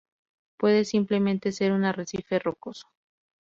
Puede simplemente ser un arrecife rocoso.